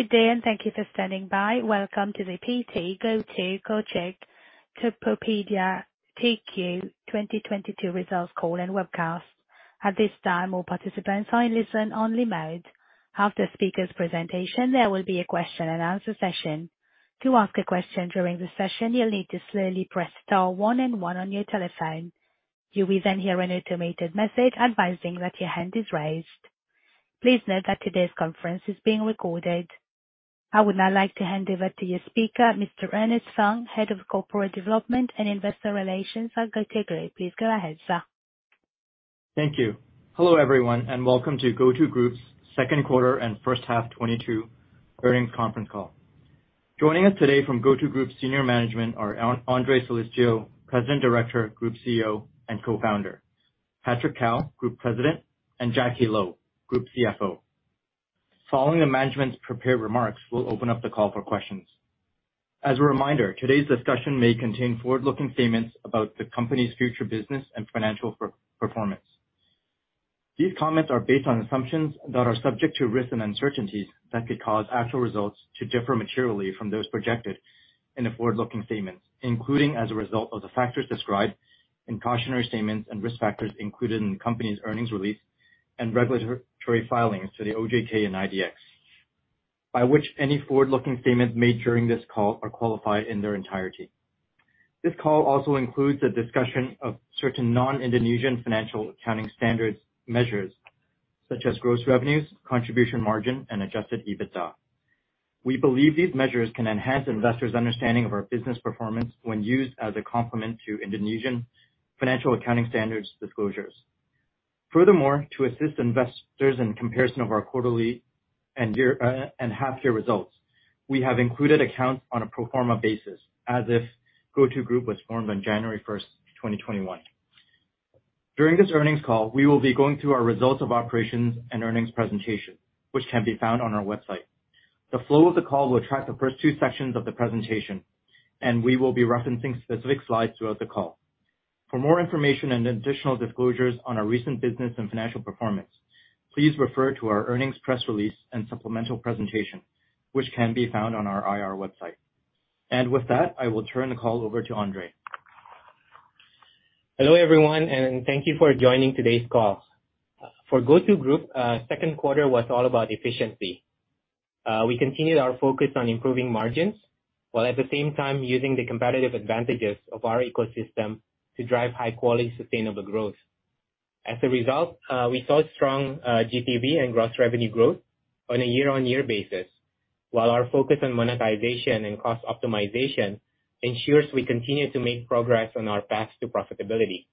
Good day, thank you for standing by. Welcome to the PT GoTo Gojek Tokopedia 2Q 2022 results call and webcast. At this time, all participants are in listen-only mode. After speaker's presentation, there will be a question and answer session. To ask a question during the session, you'll need to slowly press star one and one on your telephone. You will then hear an automated message advising that your hand is raised. Please note that today's conference is being recorded. I would now like to hand over to your speaker, Mr. Ernest Fung, Head of Corporate Development and Investor Relations at GoTo Group. Please go ahead, sir. Thank you. Hello, everyone, and welcome to GoTo Group's second quarter and first half 2022 earnings conference call. Joining us today from GoTo Group senior management are Andre Soelistyo, President Director, Group CEO, and Co-founder. Patrick Cao, Group President, and Jacky Lo, Group CFO. Following the management's prepared remarks, we'll open up the call for questions. As a reminder, today's discussion may contain forward-looking statements about the company's future business and financial performance. These comments are based on assumptions that are subject to risks and uncertainties that could cause actual results to differ materially from those projected in the forward-looking statements, including as a result of the factors described in cautionary statements and risk factors included in the company's earnings release and regulatory filings to the OJK and IDX, by which any forward-looking statements made during this call are qualified in their entirety. This call also includes a discussion of certain non-Indonesian financial accounting standards measures such as gross revenues, contribution margin, and adjusted EBITDA. We believe these measures can enhance investors' understanding of our business performance when used as a complement to Indonesian financial accounting standards disclosures. Furthermore, to assist investors in comparison of our quarterly and year and half-year results, we have included accounts on a pro forma basis as if GoTo Group was formed on January 1st, 2021. During this earnings call, we will be going through our results of operations and earnings presentation, which can be found on our website. The flow of the call will track the first two sections of the presentation, and we will be referencing specific slides throughout the call. For more information and additional disclosures on our recent business and financial performance, please refer to our earnings press release and supplemental presentation, which can be found on our IR website. With that, I will turn the call over to Andre. Hello, everyone, and thank you for joining today's call. For GoTo Group, second quarter was all about efficiency. We continued our focus on improving margins, while at the same time using the competitive advantages of our ecosystem to drive high-quality, sustainable growth. As a result, we saw strong, GTV and gross revenue growth on a year-on-year basis, while our focus on monetization and cost optimization ensures we continue to make progress on our path to profitability.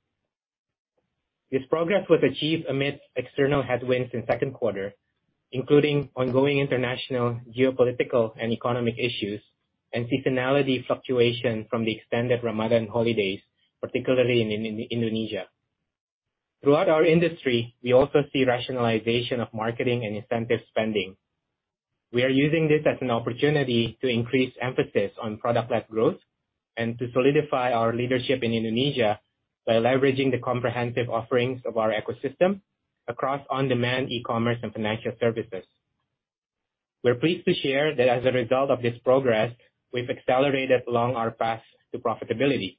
This progress was achieved amidst external headwinds in second quarter, including ongoing international geopolitical and economic issues and seasonality fluctuation from the extended Ramadan holidays, particularly in Indonesia. Throughout our industry, we also see rationalization of marketing and incentive spending. We are using this as an opportunity to increase emphasis on product-led growth and to solidify our leadership in Indonesia by leveraging the comprehensive offerings of our ecosystem across on-demand e-commerce and financial services. We're pleased to share that as a result of this progress, we've accelerated along our path to profitability,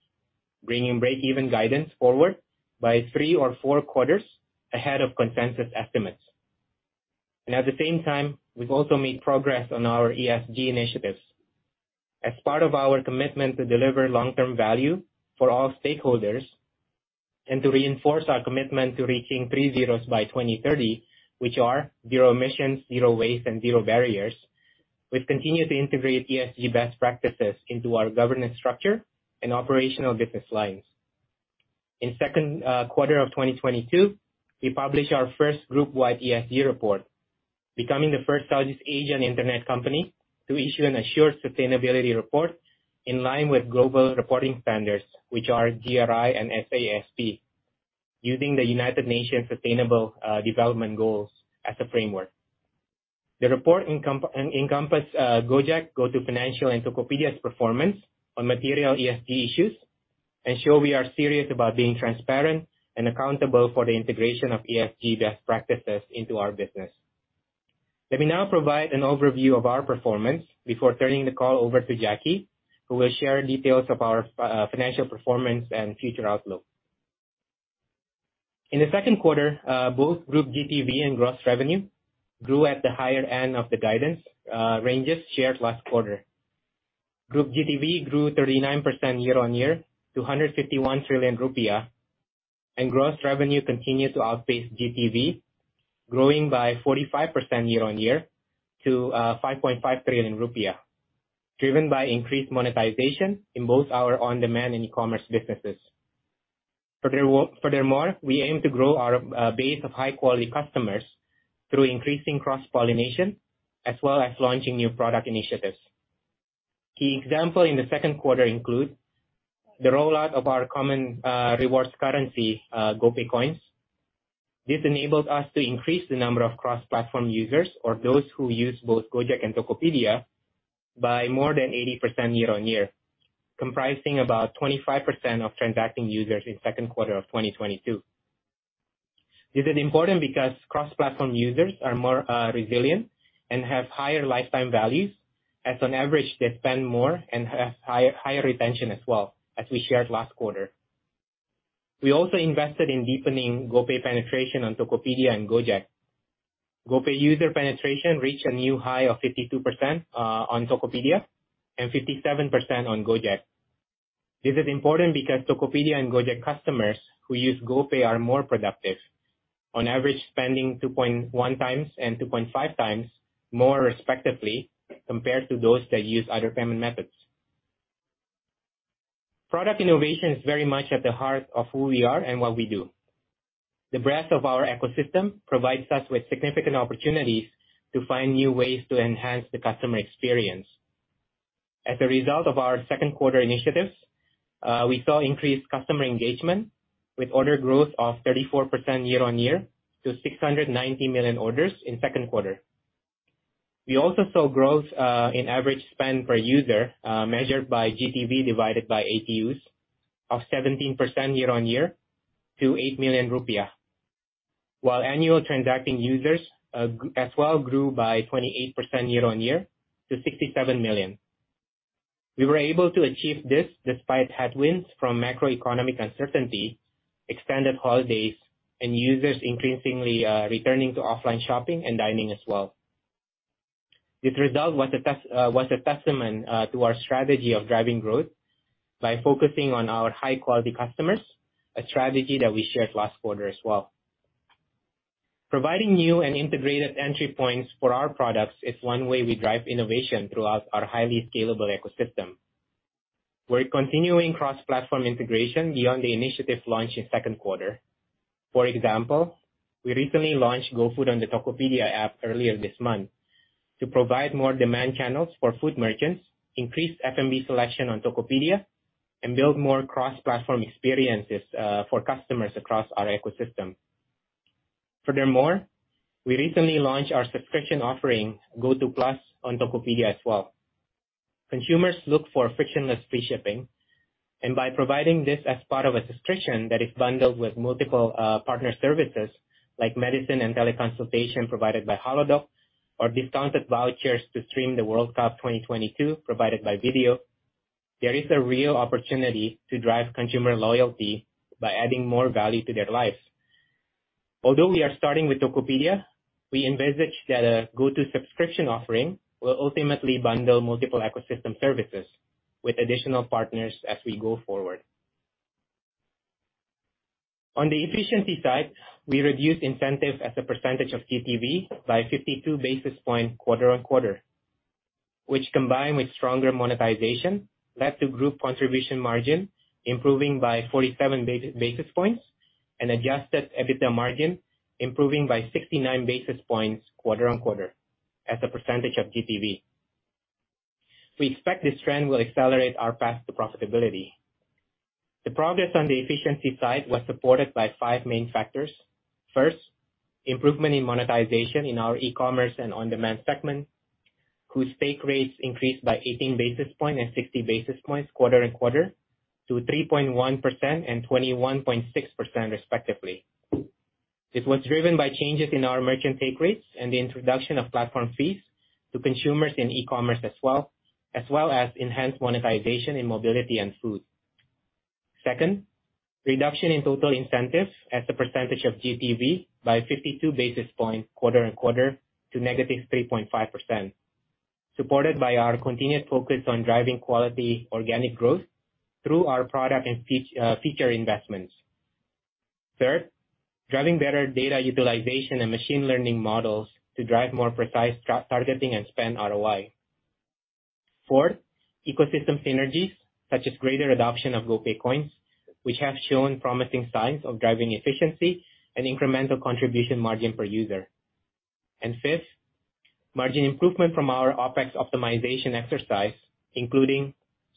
bringing break-even guidance forward by three or four quarters ahead of consensus estimates. At the same time, we've also made progress on our ESG initiatives. As part of our commitment to deliver long-term value for all stakeholders and to reinforce our commitment to reaching three zeros by 2030, which are zero emissions, zero waste, and zero barriers, we've continued to integrate ESG best practices into our governance structure and operational business lines. In second quarter of 2022, we published our first group-wide ESG report, becoming the first Southeast Asian internet company to issue an assured sustainability report in line with global reporting standards, which are GRI and SASB, using the United Nations Sustainable Development Goals as a framework. The report encompasses Gojek, GoTo Financial, and Tokopedia's performance on material ESG issues, ensuring we are serious about being transparent and accountable for the integration of ESG best practices into our business. Let me now provide an overview of our performance before turning the call over to Jacky, who will share details of our financial performance and future outlook. In the second quarter, both Group GTV and gross revenue grew at the higher end of the guidance ranges shared last quarter. Group GTV grew 39% year-on-year to 151 trillion rupiah, and gross revenue continued to outpace GTV, growing by 45% year-on-year to 5.5 trillion rupiah, driven by increased monetization in both our on-demand and e-commerce businesses. Furthermore, we aim to grow our base of high-quality customers through increasing cross-pollination as well as launching new product initiatives. Key example in the second quarter include the rollout of our common rewards currency, GoPay Coins. This enabled us to increase the number of cross-platform users or those who use both Gojek and Tokopedia by more than 80% year-on-year, comprising about 25% of transacting users in second quarter of 2022. This is important because cross-platform users are more resilient and have higher lifetime values. As on average, they spend more and have higher retention as well, as we shared last quarter. We also invested in deepening GoPay penetration on Tokopedia and Gojek. GoPay user penetration reached a new high of 52% on Tokopedia and 57% on Gojek. This is important because Tokopedia and Gojek customers who use GoPay are more productive. On average, spending 2.1 times and 2.5 times more respectively, compared to those that use other payment methods. Product innovation is very much at the heart of who we are and what we do. The breadth of our ecosystem provides us with significant opportunities to find new ways to enhance the customer experience. As a result of our second quarter initiatives, we saw increased customer engagement with order growth of 34% year-on-year to 690 million orders in second quarter. We also saw growth in average spend per user, measured by GTV divided by ATUs, of 17% year-on-year to 8 million rupiah. While annual transacting users as well grew by 28% year-on-year to 67 million. We were able to achieve this despite headwinds from macroeconomic uncertainty, extended holidays and users increasingly returning to offline shopping and dining as well. This result was a testament to our strategy of driving growth by focusing on our high quality customers, a strategy that we shared last quarter as well. Providing new and integrated entry points for our products is one way we drive innovation throughout our highly scalable ecosystem. We're continuing cross-platform integration beyond the initiative launch in second quarter. For example, we recently launched GoFood on the Tokopedia app earlier this month to provide more demand channels for food merchants, increase F&B selection on Tokopedia and build more cross-platform experiences for customers across our ecosystem. Furthermore, we recently launched our subscription offering, GoTo PLUS, on Tokopedia as well. Consumers look for frictionless free shipping, and by providing this as part of a subscription that is bundled with multiple partner services like medicine and teleconsultation provided by Halodoc or discounted vouchers to stream the World Cup 2022 provided by Vidio, there is a real opportunity to drive consumer loyalty by adding more value to their lives. Although we are starting with Tokopedia, we envisage that a GoTo subscription offering will ultimately bundle multiple ecosystem services with additional partners as we go forward. On the efficiency side, we reduced incentives as a percentage of GTV by 52 basis points quarter-over-quarter. Which combined with stronger monetization, led to group contribution margin improving by 47 basis points and adjusted EBITDA margin improving by 69 basis points quarter-over-quarter as a percentage of GTV. We expect this trend will accelerate our path to profitability. The progress on the efficiency side was supported by five main factors. First, improvement in monetization in our e-commerce and on-demand segment, whose take rates increased by 18 basis points and 60 basis points quarter-over-quarter to 3.1% and 21.6% respectively. This was driven by changes in our merchant take rates and the introduction of platform fees to consumers in e-commerce as well as enhanced monetization in mobility and food. Second, reduction in total incentives as a percentage of GTV by 52 basis points quarter-on-quarter to -3.5%, supported by our continued focus on driving quality organic growth through our product and feature investments. Third, driving better data utilization and machine learning models to drive more precise targeting and spend ROI. Fourth, ecosystem synergies such as greater adoption of GoPay Coins which have shown promising signs of driving efficiency and incremental contribution margin per user. Fifth, margin improvement from our OpEx optimization exercise, including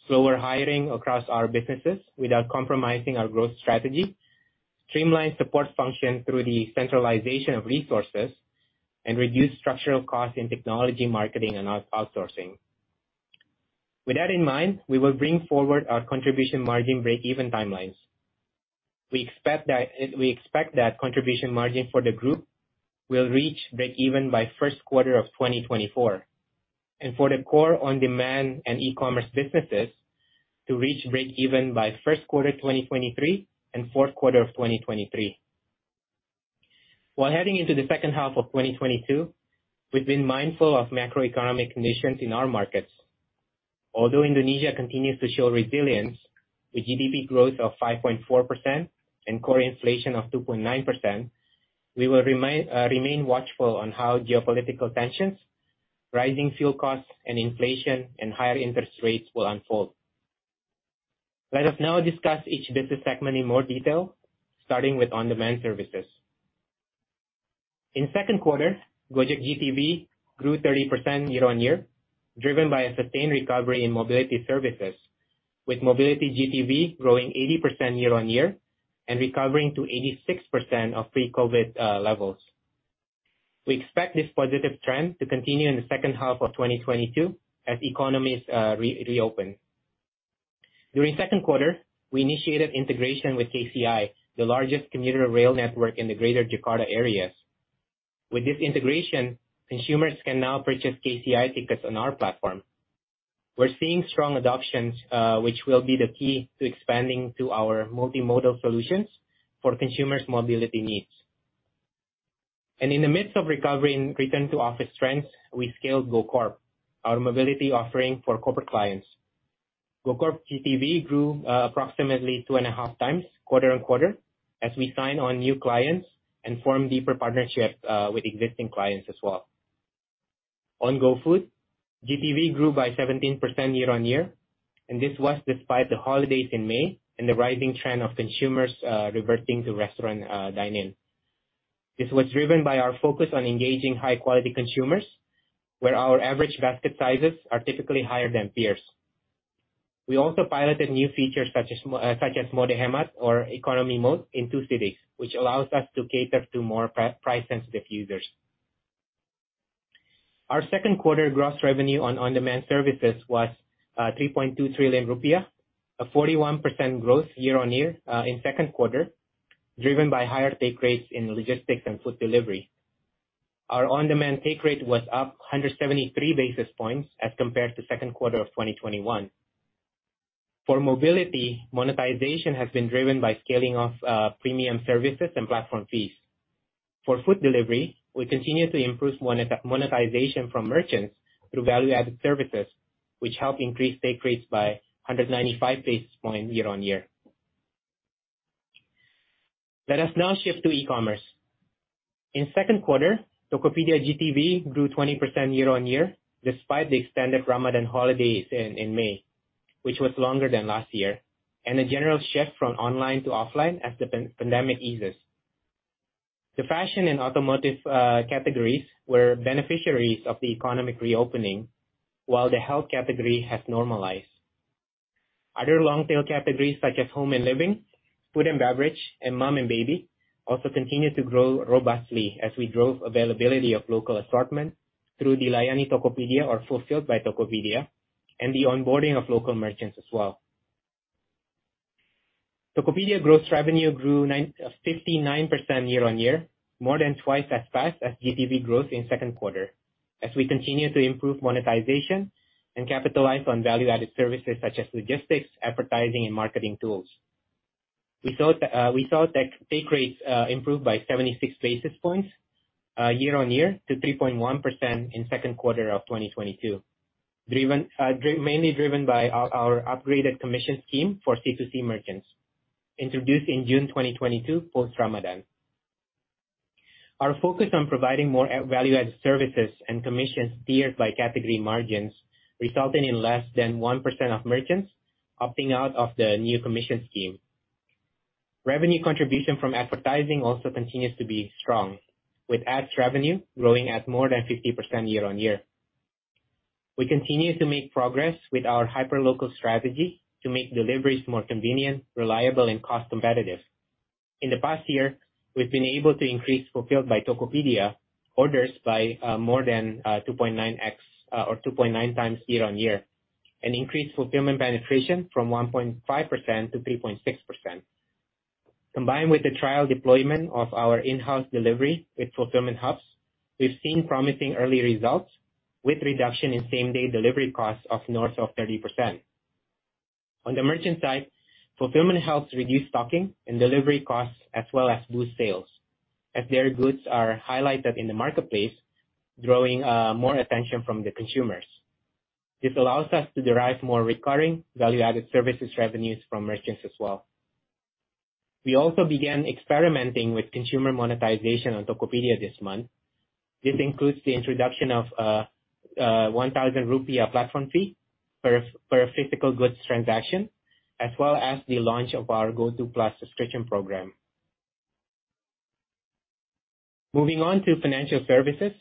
slower hiring across our businesses without compromising our growth strategy, streamlined support function through the centralization of resources and reduced structural costs in technology, marketing and outsourcing. With that in mind, we will bring forward our contribution margin break-even timelines. We expect that contribution margin for the group will reach break even by first quarter 2024, and for the core on-demand and e-commerce businesses to reach break even by first quarter 2023 and fourth quarter 2023. While heading into the second half of 2022, we've been mindful of macroeconomic conditions in our markets. Although Indonesia continues to show resilience with GDP growth of 5.4% and core inflation of 2.9%, we will remain watchful on how geopolitical tensions, rising fuel costs and inflation and higher interest rates will unfold. Let us now discuss each business segment in more detail, starting with on-demand services. In second quarter, Gojek GTV grew 30% year-on-year, driven by a sustained recovery in mobility services, with mobility GTV growing 80% year-on-year and recovering to 86% of pre-COVID levels. We expect this positive trend to continue in the second half of 2022 as economies reopen. During second quarter, we initiated integration with KCI, the largest commuter rail network in the Greater Jakarta areas. With this integration, consumers can now purchase KCI tickets on our platform. We're seeing strong adoptions, which will be the key to expanding to our multimodal solutions for consumers' mobility needs. In the midst of recovery and return to office trends, we scaled GoCorp, our mobility offering for corporate clients. GoCorp GTV grew approximately 2.5 times quarter-on-quarter as we sign on new clients and form deeper partnerships with existing clients as well. On GoFood, GTV grew by 17% year-on-year, and this was despite the holidays in May and the rising trend of consumers reverting to restaurant dine-in. This was driven by our focus on engaging high quality consumers, where our average basket sizes are typically higher than peers. We also piloted new features such as Mode Hemat or Economy Mode in two cities, which allows us to cater to more price sensitive users. Our second quarter gross revenue on on-demand services was 3.2 trillion rupiah, a 41% growth year-on-year in second quarter, driven by higher take rates in logistics and food delivery. Our on-demand take rate was up 173 basis points as compared to second quarter of 2021. For mobility, monetization has been driven by scaling of premium services and platform fees. For food delivery, we continuously improve monetization from merchants through value-added services which help increase take rates by 195 basis points year-on-year. Let us now shift to e-commerce. In second quarter, Tokopedia GTV grew 20% year-on-year despite the extended Ramadan holidays in May, which was longer than last year, and a general shift from online to offline as the pandemic eases. The fashion and automotive categories were beneficiaries of the economic reopening while the health category has normalized. Other long tail categories such as home and living, food and beverage, and mom and baby also continued to grow robustly as we drove availability of local assortment through Dilayani Tokopedia or fulfilled by Tokopedia and the onboarding of local merchants as well. Tokopedia gross revenue grew 59% year-on-year, more than twice as fast as GTV growth in second quarter as we continue to improve monetization and capitalize on value-added services such as logistics, advertising, and marketing tools. We saw that take rates improve by 76 basis points year-on-year to 3.1% in second quarter of 2022, mainly driven by our upgraded commission scheme for C2C merchants introduced in June 2022 post-Ramadan. Our focus on providing more value-added services and commissions steered by category margins resulting in less than 1% of merchants opting out of the new commission scheme. Revenue contribution from advertising also continues to be strong, with ads revenue growing at more than 50% year-on-year. We continue to make progress with our hyperlocal strategy to make deliveries more convenient, reliable, and cost competitive. In the past year, we've been able to increase Fulfilled by Tokopedia orders by more than 2.9 times year-on-year, an increased fulfillment penetration from 1.5%-3.6%. Combined with the trial deployment of our in-house delivery with fulfillment hubs, we've seen promising early results with reduction in same-day delivery costs of north of 30%. On the merchant side, fulfillment helps reduce stocking and delivery costs as well as boost sales, as their goods are highlighted in the marketplace, drawing more attention from the consumers. This allows us to derive more recurring value-added services revenues from merchants as well. We also began experimenting with consumer monetization on Tokopedia this month. This includes the introduction of 1,000 rupiah platform fee per physical goods transaction, as well as the launch of our GoTo PLUS subscription program. Moving on to financial services,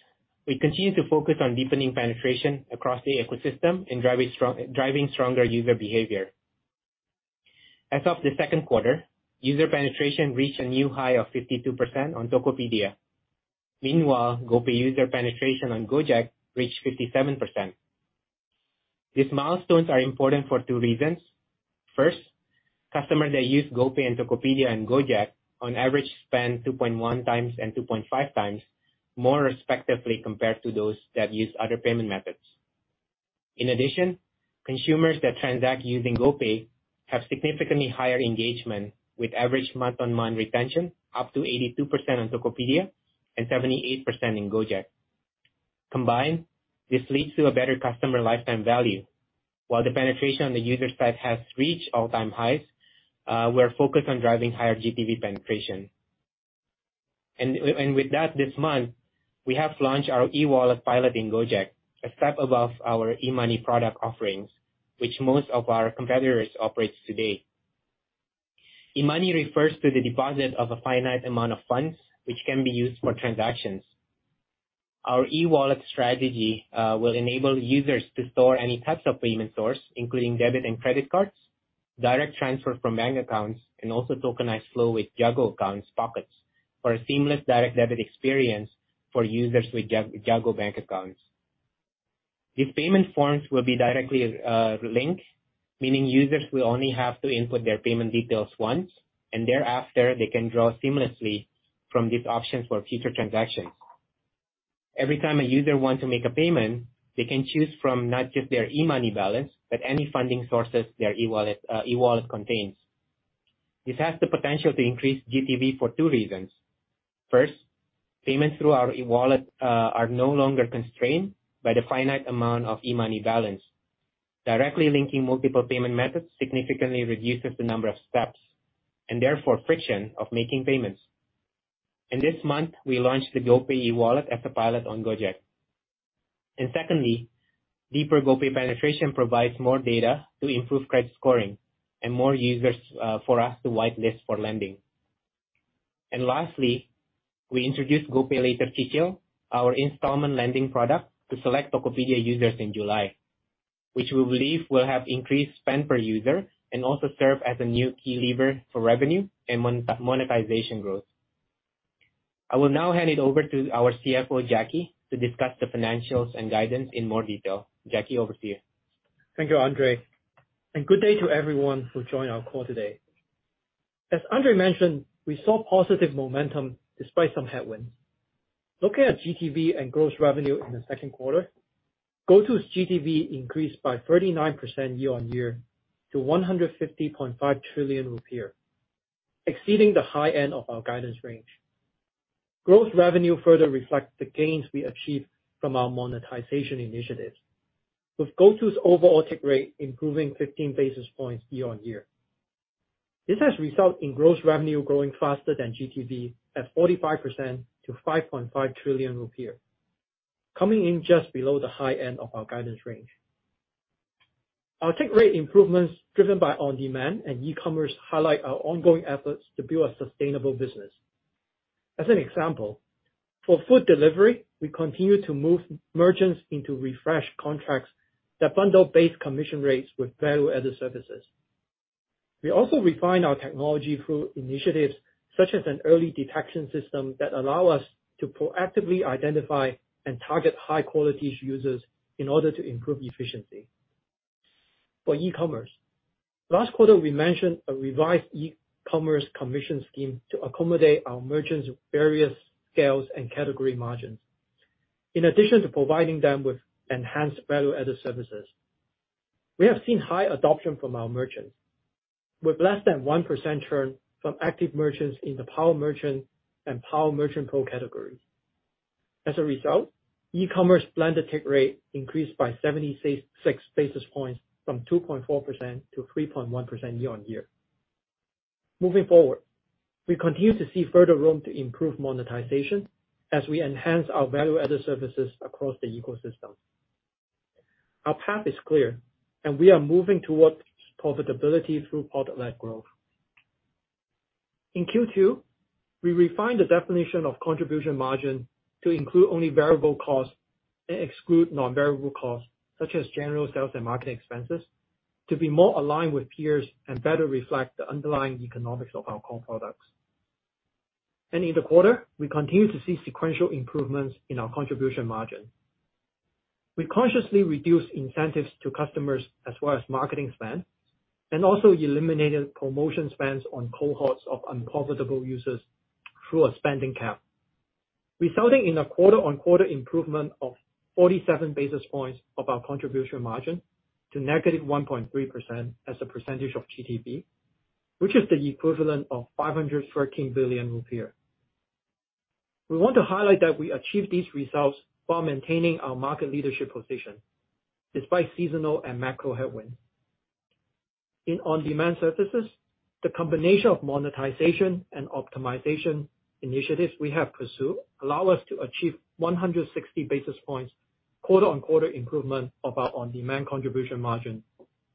we continue to focus on deepening penetration across the ecosystem and driving stronger user behavior. As of the second quarter, user penetration reached a new high of 52% on Tokopedia. Meanwhile, GoPay user penetration on Gojek reached 57%. These milestones are important for two reasons. First, customers that use GoPay and Tokopedia and Gojek on average spend 2.1 times and 2.5 times more respectively compared to those that use other payment methods. In addition, consumers that transact using GoPay have significantly higher engagement with average month-on-month retention up to 82% on Tokopedia and 78% in Gojek. Combined, this leads to a better customer lifetime value. While the penetration on the user side has reached all-time highs, we're focused on driving higher GTV penetration. With that, this month we have launched our e-wallet pilot in Gojek, a step above our e-money product offerings, which most of our competitors operates today. E-money refers to the deposit of a finite amount of funds which can be used for transactions. Our e-wallet strategy will enable users to store any types of payment source, including debit and credit cards, direct transfer from bank accounts, and also tokenized flow with Jago accounts pockets for a seamless direct debit experience for users with Jago bank accounts. These payment forms will be directly linked, meaning users will only have to input their payment details once, and thereafter, they can draw seamlessly from these options for future transactions. Every time a user wants to make a payment, they can choose from not just their e-money balance, but any funding sources their e-wallet contains. This has the potential to increase GTV for two reasons. First, payments through our e-wallet are no longer constrained by the finite amount of e-money balance. Directly linking multiple payment methods significantly reduces the number of steps, and therefore friction of making payments. This month, we launched the GoPay e-wallet as a pilot on Gojek. Secondly, deeper GoPay penetration provides more data to improve credit scoring and more users for us to whitelist for lending. Lastly, we introduced GoPayLater Cicil, our installment lending product, to select Tokopedia users in July, which we believe will have increased spend per user and also serve as a new key lever for revenue and monetization growth. I will now hand it over to our CFO, Jacky, to discuss the financials and guidance in more detail. Jacky, over to you. Thank you, Andre, and good day to everyone who joined our call today. As Andre mentioned, we saw positive momentum despite some headwinds. Looking at GTV and gross revenue in the second quarter, GoTo's GTV increased by 39% year-on-year to 150.5 trillion rupiah, exceeding the high end of our guidance range. Gross revenue further reflects the gains we achieved from our monetization initiatives, with GoTo's overall take rate improving 15 basis points year-on-year. This has resulted in gross revenue growing faster than GTV at 45% to 5.5 trillion rupiah, coming in just below the high end of our guidance range. Our take rate improvements driven by on-demand and e-commerce highlight our ongoing efforts to build a sustainable business. As an example, for food delivery, we continue to move merchants into refreshed contracts that bundle base commission rates with value-added services. We also refine our technology through initiatives such as an early detection system that allow us to proactively identify and target high-quality users in order to improve efficiency. For e-commerce, last quarter we mentioned a revised e-commerce commission scheme to accommodate our merchants of various scales and category margins. In addition to providing them with enhanced value-added services, we have seen high adoption from our merchants, with less than 1% churn from active merchants in the Power Merchant and Power Merchant PRO categories. As a result, e-commerce blended take rate increased by 76.6 basis points from 2.4%-3.1% year-on-year. Moving forward, we continue to see further room to improve monetization as we enhance our value-added services across the ecosystem. Our path is clear, and we are moving towards profitability through product-led growth. In Q2, we refined the definition of contribution margin to include only variable costs and exclude non-variable costs such as general sales and marketing expenses to be more aligned with peers and better reflect the underlying economics of our core products. In the quarter, we continue to see sequential improvements in our contribution margin. We consciously reduced incentives to customers as well as marketing spend, and also eliminated promotion spends on cohorts of unprofitable users through a spending cap, resulting in a quarter-on-quarter improvement of 47 basis points of our contribution margin to -1.3% as a percentage of GTV, which is the equivalent of 513 billion rupiah. We want to highlight that we achieved these results while maintaining our market leadership position despite seasonal and macro headwinds. In on-demand services, the combination of monetization and optimization initiatives we have pursued allow us to achieve 160 basis points quarter-on-quarter improvement of our on-demand contribution margin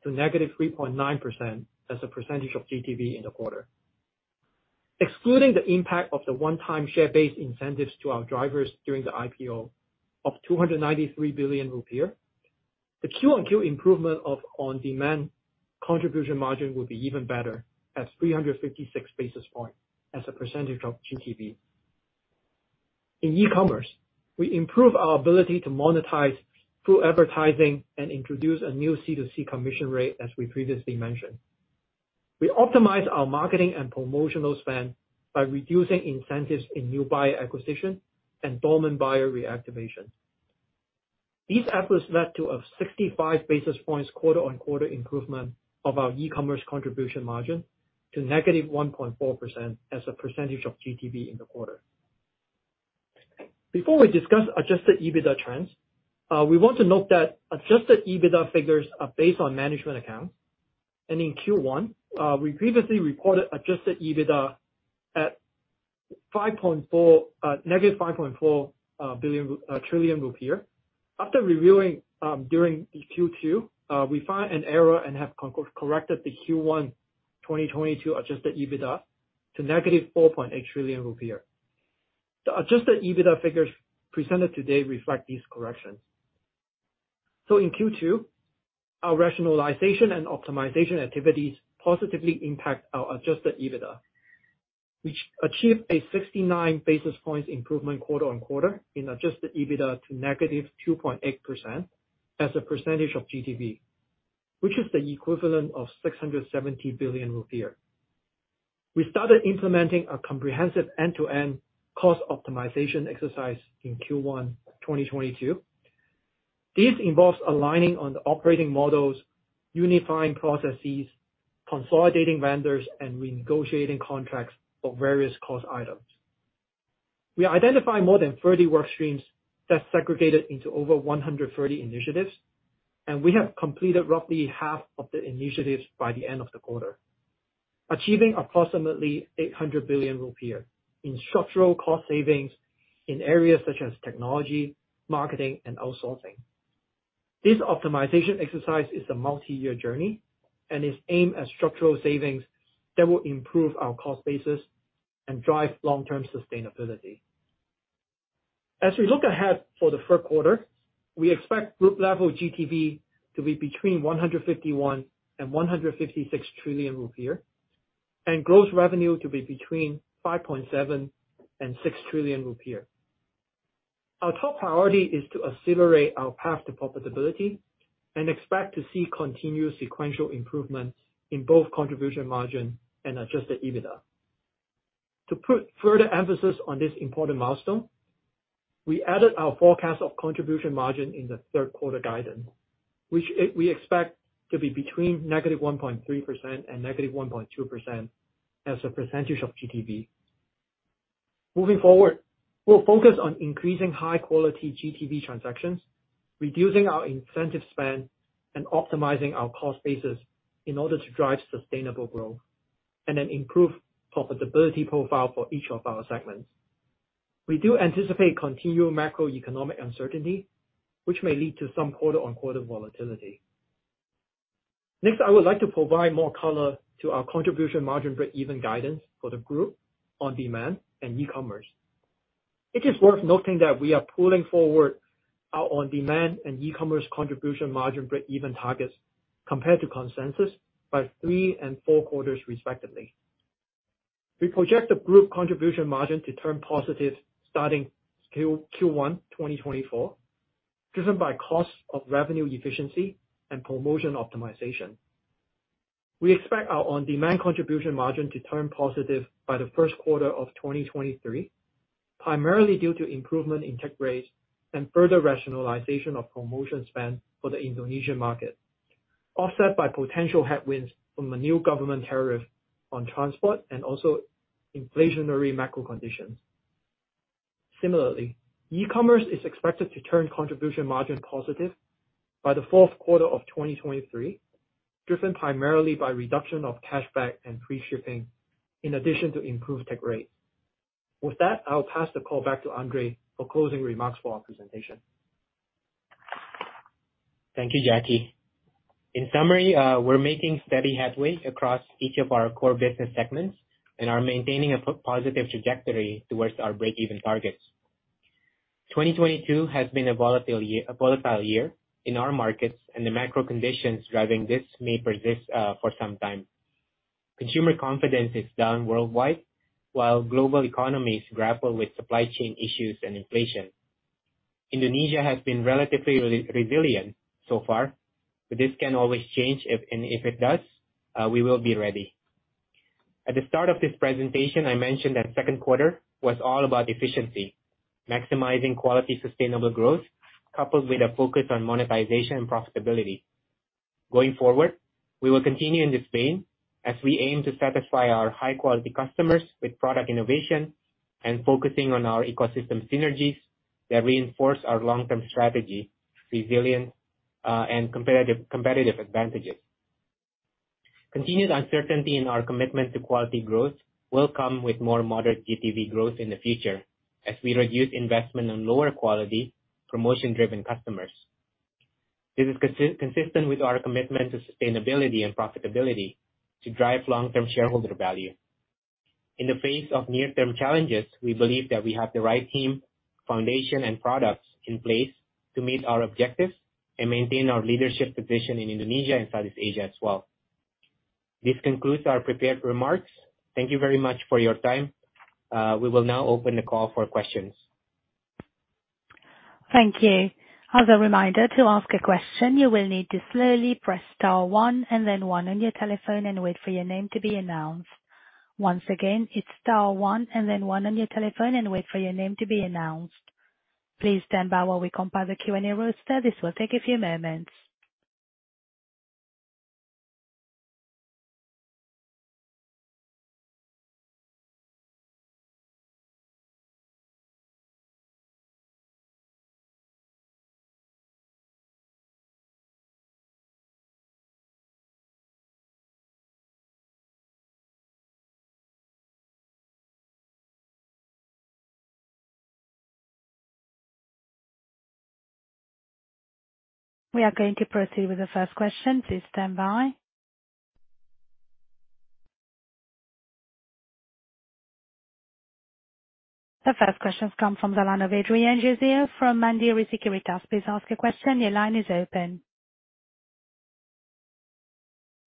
to -3.9% as a percentage of GTV in the quarter. Excluding the impact of the one-time share-based incentives to our drivers during the IPO of 293 billion rupiah, the Q-on-Q improvement of on-demand contribution margin would be even better, at 356 basis points as a percentage of GTV. In e-commerce, we improve our ability to monetize through advertising and introduce a new C2C commission rate as we previously mentioned. We optimize our marketing and promotional spend by reducing incentives in new buyer acquisition and dormant buyer reactivation. These efforts led to a 65 basis points quarter-on-quarter improvement of our e-commerce contribution margin to -1.4% as a percentage of GTV in the quarter. Before we discuss adjusted EBITDA trends, we want to note that adjusted EBITDA figures are based on management accounts. In Q1, we previously reported adjusted EBITDA at negative 5.4 trillion rupiah. After reviewing during Q2, we found an error and have corrected the Q1 2022 adjusted EBITDA to negative 4.8 trillion rupiah. The adjusted EBITDA figures presented today reflect these corrections. In Q2, our rationalization and optimization activities positively impact our adjusted EBITDA, which achieved a 69 basis points improvement quarter-on-quarter in adjusted EBITDA to -2.8% as a percentage of GTV, which is the equivalent of 670 billion rupiah. We started implementing a comprehensive end-to-end cost optimization exercise in Q1 2022. This involves aligning on the operating models, unifying processes, consolidating vendors, and renegotiating contracts for various cost items. We identify more than 30 work streams that segregated into over 130 initiatives, and we have completed roughly half of the initiatives by the end of the quarter, achieving approximately IDR 800 billion in structural cost savings in areas such as technology, marketing, and outsourcing. This optimization exercise is a multi-year journey and is aimed at structural savings that will improve our cost basis and drive long-term sustainability. As we look ahead for the third quarter, we expect group level GTV to be between 151 trillion and 156 trillion rupiah, and gross revenue to be between 5.7 trillion and 6 trillion rupiah. Our top priority is to accelerate our path to profitability and expect to see continued sequential improvements in both contribution margin and adjusted EBITDA. To put further emphasis on this important milestone, we added our forecast of contribution margin in the third quarter guidance, which, we expect to be between -1.3% and -1.2% as a percentage of GTV. Moving forward, we'll focus on increasing high-quality GTV transactions, reducing our incentive spend, and optimizing our cost basis in order to drive sustainable growth and an improved profitability profile for each of our segments. We do anticipate continued macroeconomic uncertainty, which may lead to some quarter-on-quarter volatility. Next, I would like to provide more color to our contribution margin breakeven guidance for the group on demand and e-commerce. It is worth noting that we are pulling forward our on-demand and e-commerce contribution margin breakeven targets compared to consensus by three and four quarters, respectively. We project the group contribution margin to turn positive starting Q1 2024, driven by cost of revenue efficiency and promotion optimization. We expect our on-demand contribution margin to turn positive by the first quarter of 2023, primarily due to improvement in take rates and further rationalization of promotion spend for the Indonesian market, offset by potential headwinds from the new government tariff on transport and also inflationary macro conditions. Similarly, e-commerce is expected to turn contribution margin positive by the fourth quarter of 2023, driven primarily by reduction of cashback and free shipping in addition to improved take rates. With that, I'll pass the call back to Andre for closing remarks for our presentation. Thank you, Jacky. In summary, we're making steady headway across each of our core business segments and are maintaining a positive trajectory towards our breakeven targets. 2022 has been a volatile year in our markets and the macro conditions driving this may persist for some time. Consumer confidence is down worldwide while global economies grapple with supply chain issues and inflation. Indonesia has been relatively resilient so far, but this can always change. If it does, we will be ready. At the start of this presentation, I mentioned that second quarter was all about efficiency, maximizing quality, sustainable growth, coupled with a focus on monetization and profitability. Going forward, we will continue in this vein as we aim to satisfy our high quality customers with product innovation and focusing on our ecosystem synergies that reinforce our long-term strategy, resilience, and competitive advantages. Our continued commitment to quality growth will come with more moderate GTV growth in the future as we reduce investment on lower quality promotion-driven customers. This is consistent with our commitment to sustainability and profitability to drive long-term shareholder value. In the face of near-term challenges, we believe that we have the right team, foundation, and products in place to meet our objectives and maintain our leadership position in Indonesia and Southeast Asia as well. This concludes our prepared remarks. Thank you very much for your time. We will now open the call for questions. Thank you. As a reminder to ask a question, you will need to slowly press star one and then one on your telephone and wait for your name to be announced. Once again, it's star one and then one on your telephone and wait for your name to be announced. Please stand by while we compile the Q&A roster. This will take a few moments. We are going to proceed with the first question. Please stand by. The first question comes from the line of Adrian Joezer from Mandiri Sekuritas. Please ask your question. Your line is open.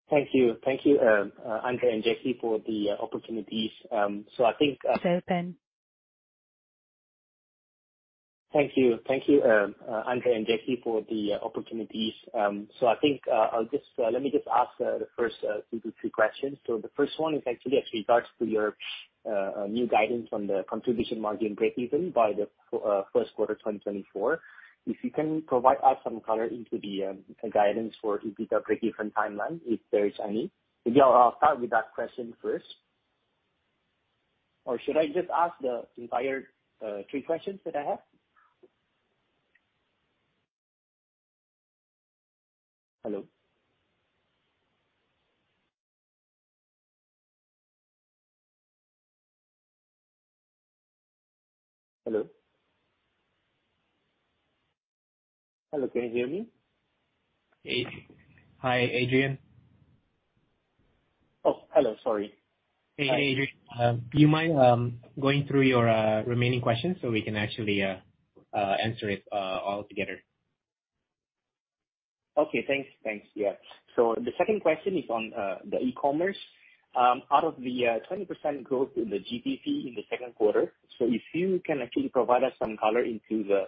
Thank you. Thank you, Andre and Jacky for the opportunities. I think. Go ahead. Thank you. Thank you, Andre and Jacky Lo for the opportunities. I think let me just ask the first 2-3 questions. The first one is actually with regards to your new guidance on the contribution margin breakeven by the first quarter of 2024. If you can provide us some color on the guidance for EBITDA breakeven timeline, if there is any. Maybe I'll start with that question first. Should I just ask the entire three questions that I have? Hello? Hello? Hello, can you hear me? Hi, Adrian. Oh, hello. Sorry. Hey, Adrian. Do you mind going through your remaining questions so we can actually answer it all together? Thanks. Yeah. The second question is on the e-commerce. Out of the 20% growth in the GTV in the second quarter, if you can actually provide us some color on the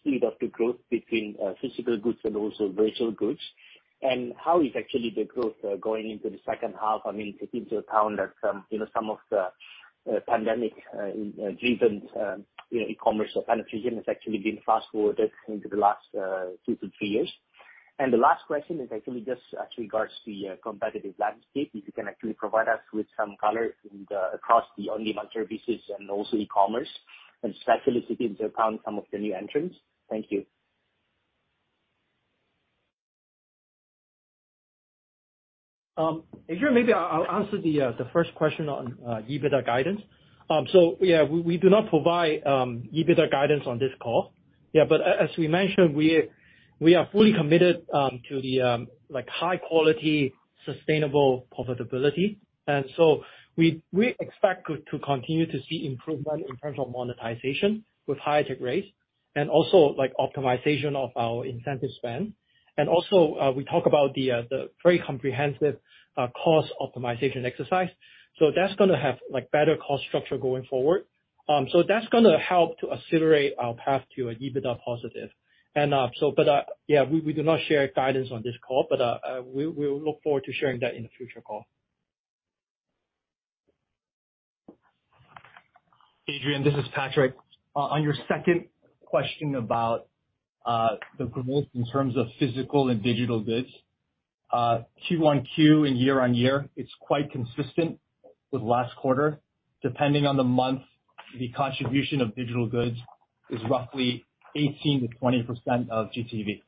speed of the growth between physical goods and also virtual goods. How is actually the growth going into the second half? I mean, taking into account that some, you know, some of the pandemic-driven e-commerce penetration has actually been fast-forwarded into the last 2-3 years. The last question is actually just regards to your competitive landscape, if you can actually provide us with some color across the on-demand services and also e-commerce, and especially taking into account some of the new entrants. Thank you. Adrian, maybe I'll answer the first question on EBITDA guidance. Yeah, we do not provide EBITDA guidance on this call. Yeah, but as we mentioned, we are fully committed to the like, high quality, sustainable profitability. We expect to continue to see improvement in terms of monetization with higher take rates and also, like, optimization of our incentive spend. We talk about the very comprehensive cost optimization exercise. That's gonna have like, better cost structure going forward. That's gonna help to accelerate our path to an EBITDA positive. Yeah, but we do not share guidance on this call, but we look forward to sharing that in a future call. Adrian, this is Patrick. On your second question about the growth in terms of physical and digital goods, Q on Q and year-on-year, it's quite consistent with last quarter. Depending on the month, the contribution of digital goods is roughly 18%-20% of GTV.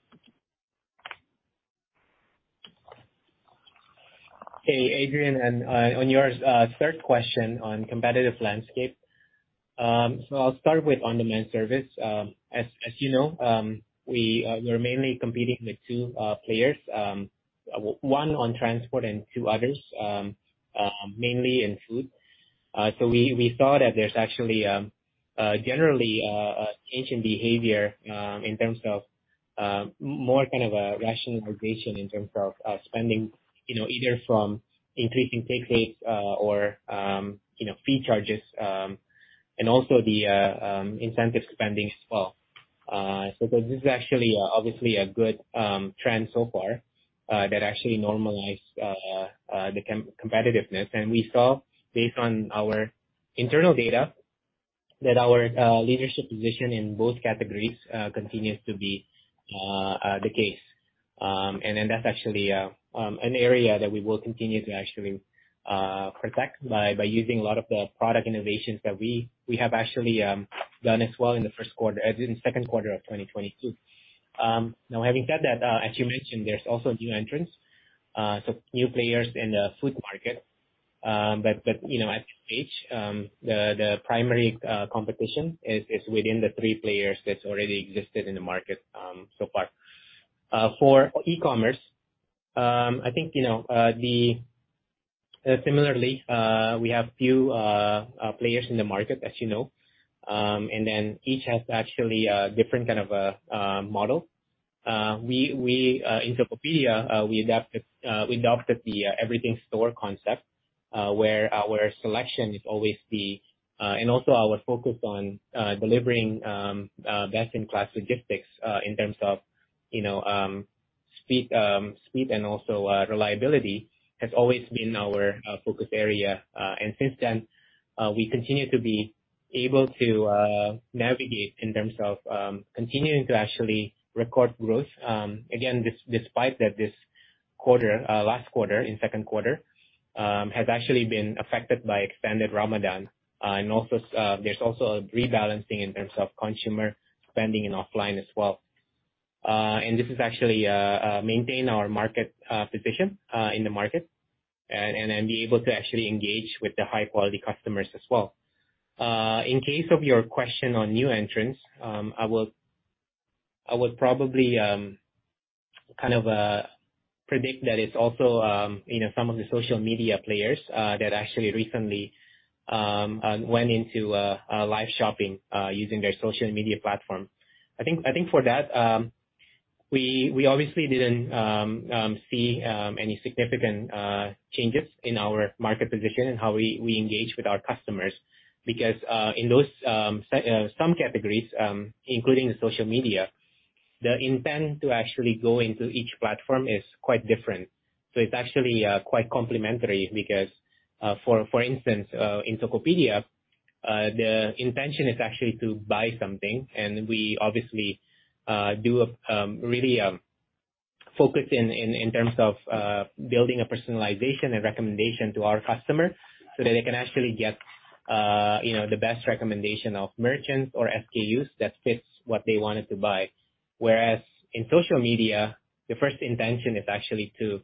Hey, Adrian. On your third question on competitive landscape, I'll start with on-demand service. As you know, we're mainly competing with two players. One on transport and two others mainly in food. We saw that there's actually generally a change in behavior in terms of more kind of a rationalization in terms of spending, you know, either from increasing take rates or you know, fee charges and also the incentive spending as well. This is actually obviously a good trend so far that actually normalized the competitiveness. We saw, based on our internal data, that our leadership position in both categories continues to be the case. That's actually an area that we will continue to actually protect by using a lot of the product innovations that we have actually done as well in the first quarter in second quarter of 2022. Now, having said that, as you mentioned, there's also new entrants, so new players in the food market. You know, at this stage, the primary competition is within the three players that's already existed in the market so far. For e-commerce, I think you know, similarly, we have few players in the market, as you know. Each has actually a different kind of model. We adopted the everything store concept, where our selection is always there and also our focus on delivering best-in-class logistics in terms of, you know, speed and also reliability has always been our focus area. Since then we continue to be able to navigate in terms of continuing to actually record growth, again, despite that last quarter in second quarter has actually been affected by extended Ramadan. There's also a rebalancing in terms of consumer spending in offline as well. This is actually maintain our market position in the market and then be able to actually engage with the high quality customers as well. In case of your question on new entrants, I would probably kind of predict that it's also, you know, some of the social media players that actually recently went into live shopping using their social media platform. I think for that, we obviously didn't see any significant changes in our market position and how we engage with our customers because, in those, some categories, including the social media, the intent to actually go into each platform is quite different. It's actually quite complementary because, for instance, in Tokopedia, the intention is actually to buy something. We obviously do really focus in terms of building a personalization and recommendation to our customers so that they can actually get, you know, the best recommendation of merchants or SKUs that fits what they wanted to buy. Whereas in social media, the first intention is actually to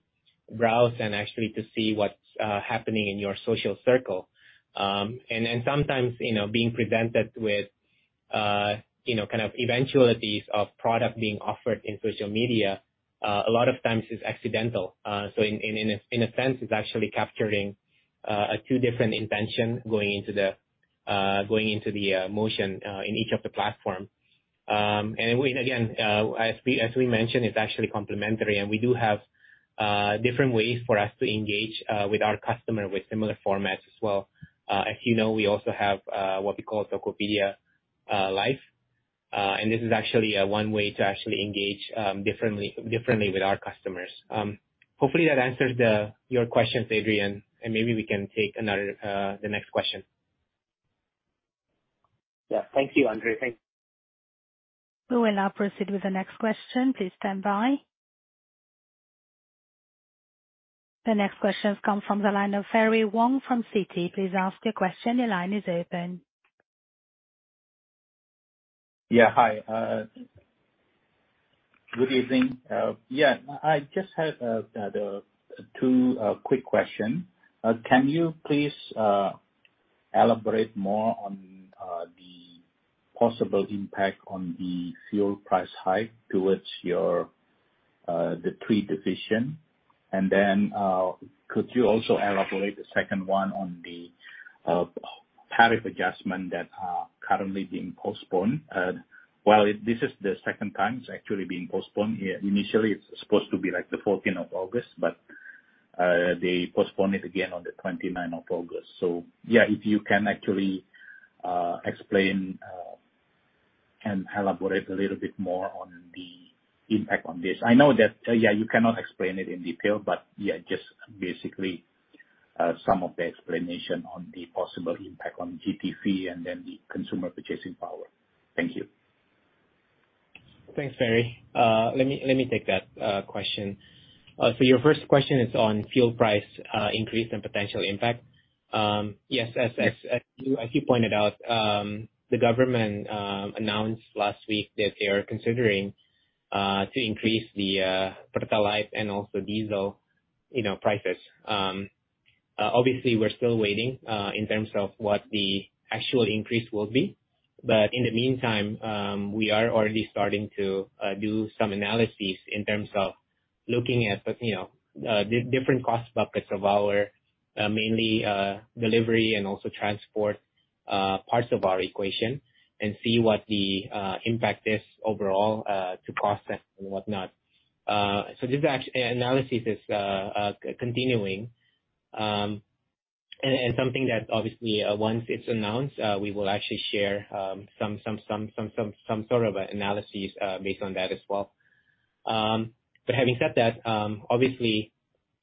browse and actually to see what's happening in your social circle. Then sometimes, you know, being presented with, you know, kind of eventualities of product being offered in social media, a lot of times it's accidental. In a sense, it's actually capturing two different intention going into the motion in each of the platform. We again, as we mentioned, it's actually complementary, and we do have different ways for us to engage with our customer with similar formats as well. As you know, we also have what we call Tokopedia Life. This is actually one way to actually engage differently with our customers. Hopefully that answers your questions, Adrian, and maybe we can take the next question. Yeah. Thank you, Andre. Thank you. We will now proceed with the next question. Please stand by. The next question comes from the line of Ferry Wong from Citi. Please ask your question. Your line is open. Yeah, hi. Good evening. Yeah, I just have two quick questions. Can you please elaborate more on the possible impact of the fuel price hike towards your three divisions? Could you also elaborate on the second one on the tariff adjustment that is currently being postponed? Well, this is the second time it's actually being postponed. Initially, it's supposed to be like the 14th of August, but they postponed it again on the 29th of August. Yeah, if you can actually explain and elaborate a little bit more on the impact on this. I know that yeah, you cannot explain it in detail, but yeah, just basically some of the explanation on the possible impact on GDP and then the consumer purchasing power. Thank you. Thanks, Ferry. Let me take that question. Your first question is on fuel price increase and potential impact. Yes, as you pointed out, the government announced last week that they are considering to increase the Pertalite and also diesel, you know, prices. Obviously we're still waiting in terms of what the actual increase will be. In the meantime, we are already starting to do some analyses in terms of looking at, you know, different cost buckets of our mainly delivery and also transport parts of our equation and see what the impact is overall, to process and whatnot. This analysis is continuing, and something that obviously, once it's announced, we will actually share some sort of analyses based on that as well. Having said that, obviously,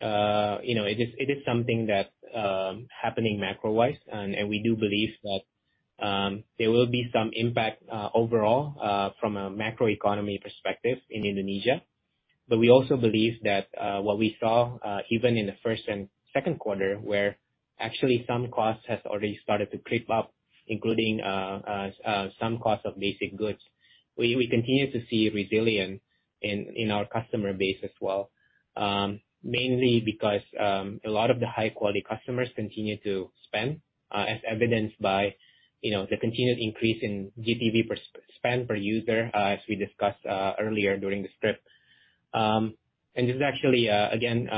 you know, it is something that happening macro-wise. We do believe that there will be some impact overall from a macroeconomy perspective in Indonesia. We also believe that what we saw even in the first and second quarter, where actually some costs has already started to creep up, including some costs of basic goods. We continue to see resilience in our customer base as well, mainly because a lot of the high quality customers continue to spend, as evidenced by, you know, the continued increase in GTV per spend per user, as we discussed, earlier during the script. This is actually, again,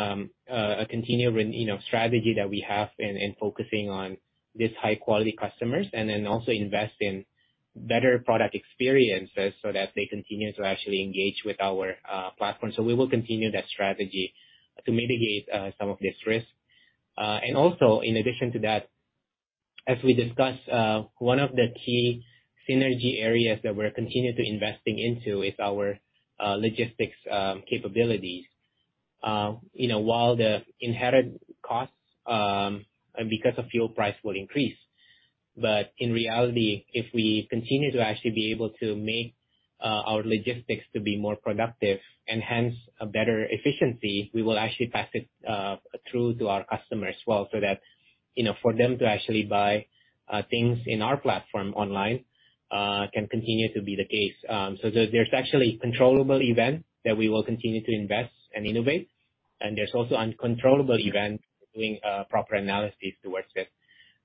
a continuing, you know, strategy that we have in focusing on these high quality customers and then also invest in better product experiences so that they continue to actually engage with our platform. We will continue that strategy to mitigate some of these risks. Also in addition to that, as we discussed, one of the key synergy areas that we're continuing to investing into is our logistics capabilities. You know, while the inherent costs and because of fuel price will increase, but in reality, if we continue to actually be able to make our logistics to be more productive and hence a better efficiency, we will actually pass it through to our customers as well, so that, you know, for them to actually buy things in our platform online can continue to be the case. There's actually controllable event that we will continue to invest and innovate. There's also uncontrollable event doing proper analysis towards it.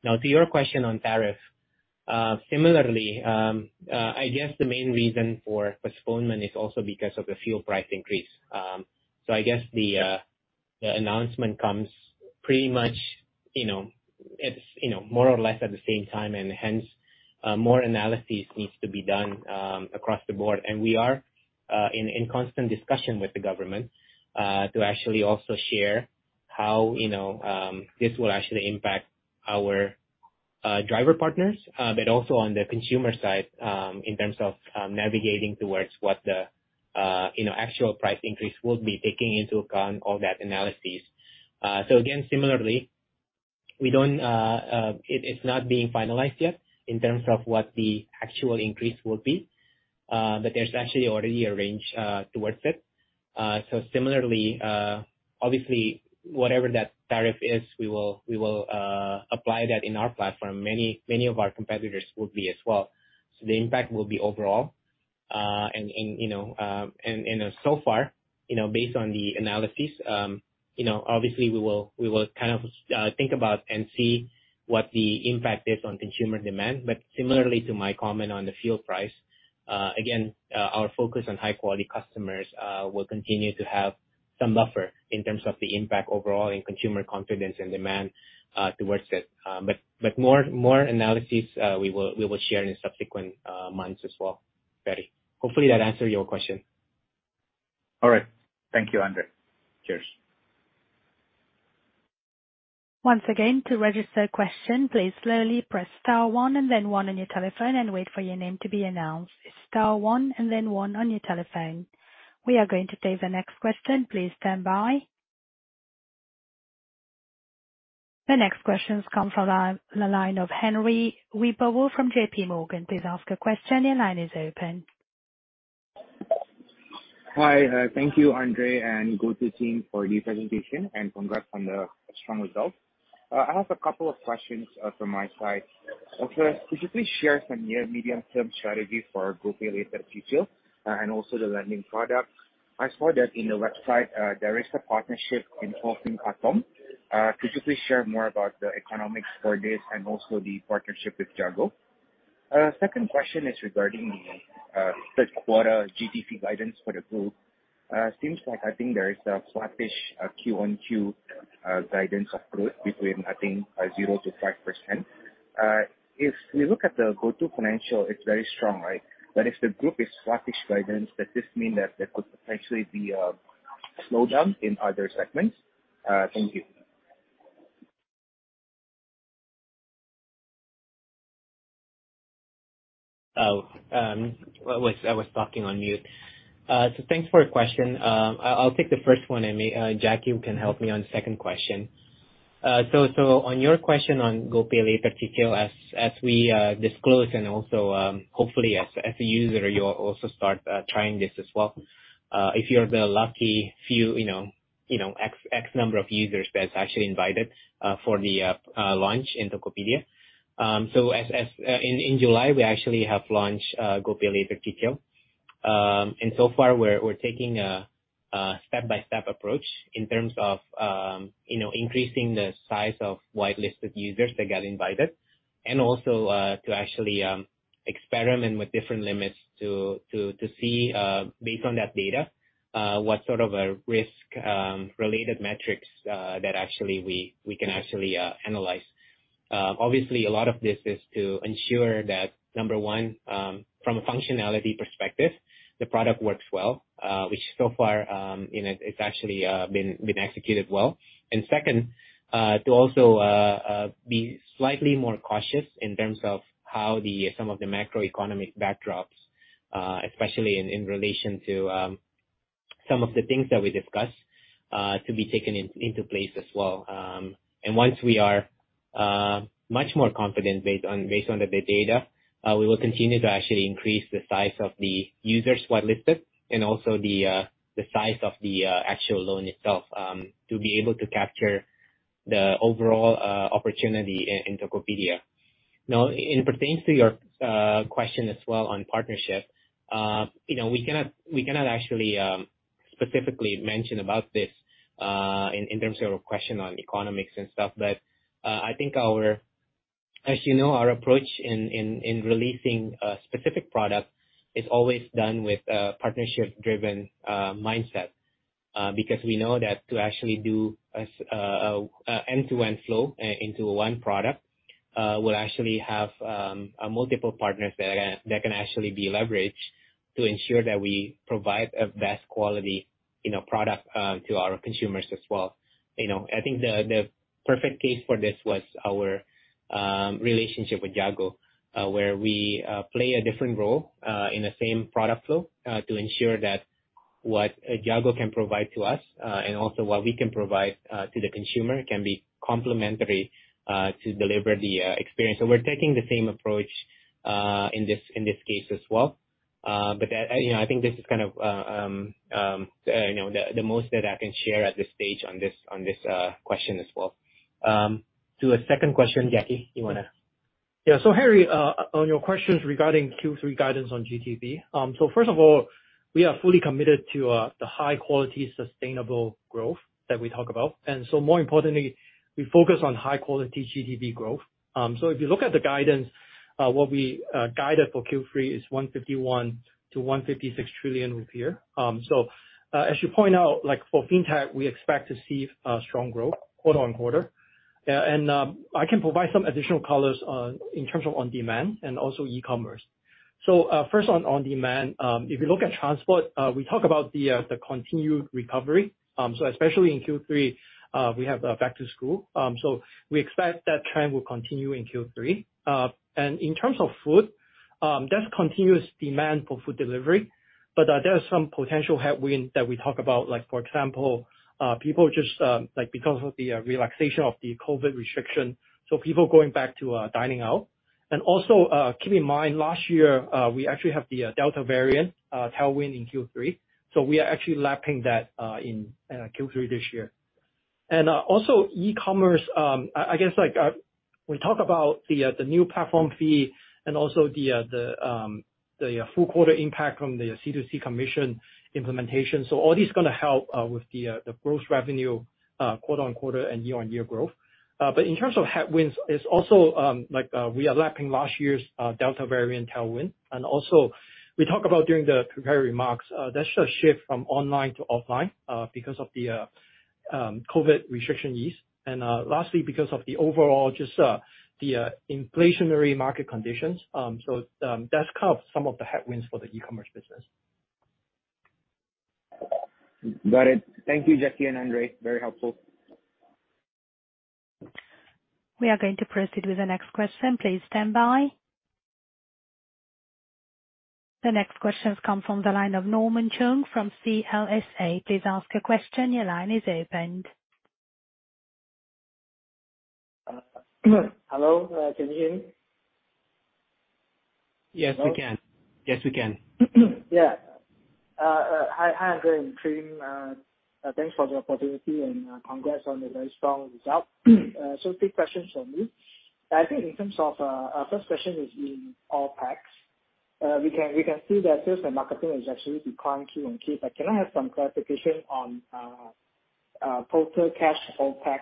Now, to your question on tariff, similarly, I guess the main reason for postponement is also because of the fuel price increase. I guess the announcement comes pretty much, you know, it's, you know, more or less at the same time, and hence, more analysis needs to be done across the board. We are in constant discussion with the government to actually also share how, you know, this will actually impact our driver partners, but also on the consumer side, in terms of navigating towards what the actual price increase will be, taking into account all that analysis. Again, similarly, we don't. It's not being finalized yet in terms of what the actual increase will be, but there's actually already a range towards it. Similarly, obviously, whatever that tariff is, we will apply that in our platform. Many, many of our competitors would be as well. The impact will be overall. You know, obviously we will kind of think about and see what the impact is on consumer demand. Similarly to my comment on the fuel price, again, our focus on high quality customers will continue to have some buffer in terms of the impact overall in consumer confidence and demand towards it. More analysis we will share in subsequent months as well, Ferry. Hopefully that answered your question. All right. Thank you, Andre. Cheers. Once again, to register a question, please slowly press star one and then one on your telephone and wait for your name to be announced. Star one and then one on your telephone. We are going to take the next question. Please stand by. The next questions come from the line of Henry Wibowo from J.P. Morgan. Please ask a question. Your line is open. Hi. Thank you Andre and GoTo team for the presentation and congrats on the strong results. I have a couple of questions from my side. First, could you please share some near- to medium-term strategies for GoPayLater Cicil and also the lending product? I saw that in the website, there is a partnership involving Atome. Could you please share more about the economics for this and also the partnership with Jago? Second question is regarding the third quarter GTV guidance for the group. Seems like I think there is a flattish Q-on-Q guidance of growth between, I think, 0%-5%. If we look at the GoTo Financial, it's very strong, right? But if the group is flattish guidance, does this mean that there could potentially be a slowdown in other segments? Thank you. Oh, I was talking on mute. Thanks for your question. I'll take the first one, and Jacky can help me on the second question. On your question on GoPayLater Cicil, as we disclose and also, hopefully as a user you'll also start trying this as well, if you're the lucky few, you know, X number of users that's actually invited for the launch in Tokopedia. As in July, we actually have launched GoPayLater Cicil. So far we're taking a step-by-step approach in terms of you know increasing the size of whitelisted users that got invited and also to actually experiment with different limits to see based on that data what sort of a risk-related metrics that actually we can actually analyze. Obviously a lot of this is to ensure that number one from a functionality perspective the product works well which so far you know it's actually been executed well. Second to also be slightly more cautious in terms of how some of the macroeconomic backdrops especially in relation to some of the things that we discussed to be taken into place as well. Once we are much more confident based on the data, we will continue to actually increase the size of the users whitelisted and also the size of the actual loan itself, to be able to capture the overall opportunity in Tokopedia. Now, it pertains to your question as well on partnership. You know, we cannot actually specifically mention about this in terms of a question on economics and stuff. I think our. As you know, our approach in releasing a specific product is always done with a partnership-driven mindset, because we know that to actually do a end-to-end flow into one product will actually have multiple partners that can actually be leveraged to ensure that we provide a best quality, you know, product to our consumers as well. You know, I think the perfect case for this was our relationship with Jago, where we play a different role in the same product flow to ensure that what Jago can provide to us and also what we can provide to the consumer can be complementary to deliver the experience. We're taking the same approach in this case as well. you know, I think this is kind of, you know, the most that I can share at this stage on this question as well. To a second question, Jacky, you wanna? Yeah. Henry, on your questions regarding Q3 guidance on GTV. First of all, we are fully committed to the high quality, sustainable growth that we talk about. More importantly, we focus on high quality GTV growth. If you look at the guidance, what we guided for Q3 is 151 trillion-156 trillion rupiah. As you point out, like for fintech, we expect to see strong growth quarter-over-quarter. I can provide some additional colors in terms of on-demand and also e-commerce. First on on-demand, if you look at transport, we talk about the continued recovery. Especially in Q3, we have back to school. We expect that trend will continue in Q3. In terms of food, that's continuous demand for food delivery, but there are some potential headwind that we talk about, like for example, people just like because of the relaxation of the COVID restriction, so people going back to dining out. Keep in mind, last year, we actually have the Delta variant tailwind in Q3, so we are actually lapping that in Q3 this year. Also e-commerce, I guess like we talk about the new platform fee and also the full quarter impact from the C2C commission implementation. All this is gonna help with the gross revenue quarter-on-quarter and year-on-year growth. In terms of headwinds, it's also like we are lapping last year's Delta variant tailwind. We talk about during the prepared remarks there's a shift from online to offline because of the COVID restriction ease. Lastly, because of the overall just the inflationary market conditions. That's kind of some of the headwinds for the e-commerce business. Got it. Thank you, Jacky and Andre. Very helpful. We are going to proceed with the next question. Please stand by. The next question comes from the line of Norman Cheung from CLSA. Please ask your question. Your line is open. Hello, can you hear me? Yes, we can. Yes, we can. Hi, Andre and team. Thanks for the opportunity and congrats on the very strong result. Three questions from me. I think in terms of, first question is in OpEx. We can see that sales and marketing is actually declining QoQ, but can I have some clarification on total cash OpEx,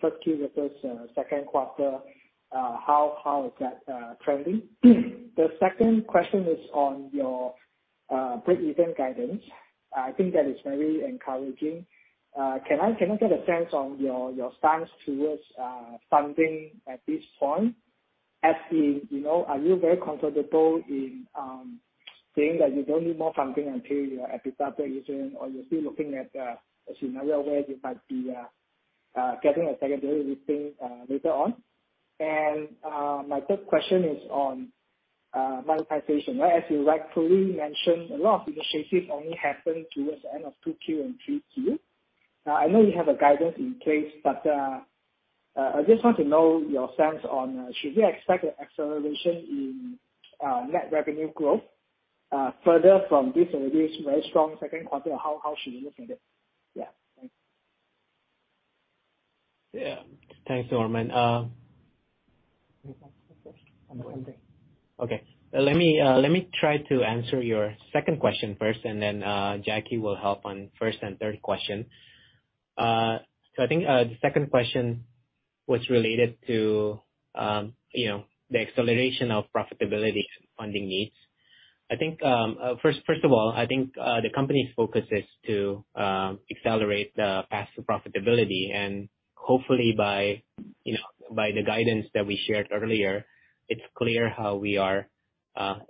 first Q versus second quarter? How is that trending? The second question is on your breakeven guidance. I think that is very encouraging. Can I get a sense on your stance towards funding at this point? you know, are you very comfortable in saying that you don't need more funding until you are at breakeven, or you're still looking at a scenario where you might be getting a secondary listing later on? My third question is on monetization. Right? As you rightfully mentioned, a lot of initiatives only happen towards the end of 2Q and 3Q. I know you have a guidance in place, but I just want to know your stance on should we expect an acceleration in net revenue growth further from this already very strong second quarter? How should we look at it? Yeah. Thanks. Yeah. Thanks, Norman. You want the first and the third? Okay. Let me try to answer your second question first, and then, Jacky will help on first and third question. I think, the second question was related to, you know, the acceleration of profitability funding needs. I think, first of all, I think, the company's focus is to, accelerate the path to profitability. Hopefully by, you know, by the guidance that we shared earlier, it's clear how we are,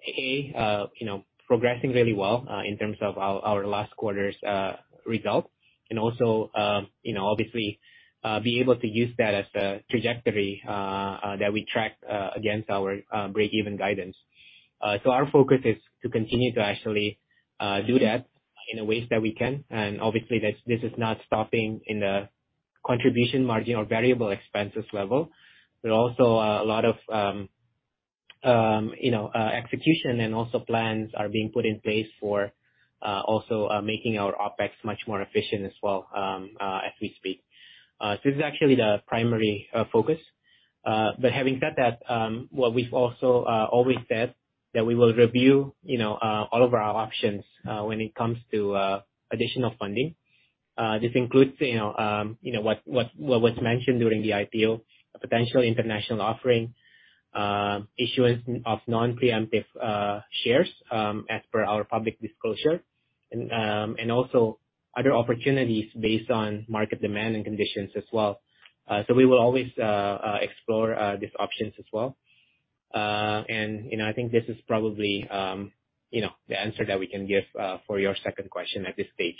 you know, progressing really well, in terms of our last quarter's result. Also, you know, obviously, be able to use that as a trajectory, that we track, against our, breakeven guidance. Our focus is to continue to actually do that in ways that we can, and obviously that this is not stopping in the contribution margin or variable expenses level. Also a lot of you know execution and also plans are being put in place for making our OpEx much more efficient as well as we speak. This is actually the primary focus. Having said that, what we've also always said that we will review you know all of our options when it comes to additional funding. This includes, you know, you know, what was mentioned during the IPO, a potential international offering, issuance of non-preemptive shares, as per our public disclosure, and also other opportunities based on market demand and conditions as well. We will always explore these options as well. You know, I think this is probably, you know, the answer that we can give for your second question at this stage.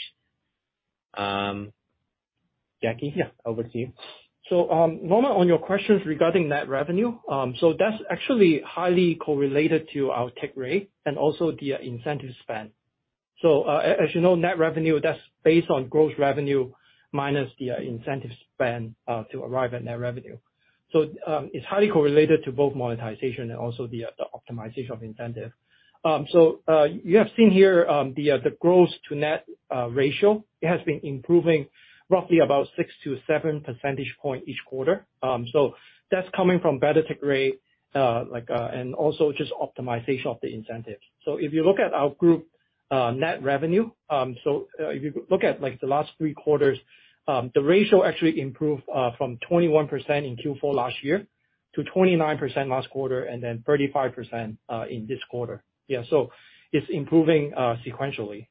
Jacky? Yeah. Over to you. Norman, on your questions regarding net revenue, that's actually highly correlated to our take rate and also the incentive spend. As you know, net revenue, that's based on gross revenue minus the incentive spend to arrive at net revenue. It's highly correlated to both monetization and also the optimization of incentive. You have seen here the gross to net ratio. It has been improving roughly about 6-7 percentage point each quarter. That's coming from better take rate, like, and also just optimization of the incentives. If you look at our group net revenue, like, the last three quarters, the ratio actually improved from 21% in Q4 last year to 29% last quarter and then 35% in this quarter. It's improving sequentially.